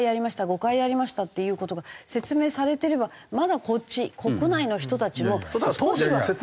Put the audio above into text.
「５回やりました」っていう事が説明されてればまだこっち国内の人たちも少しは。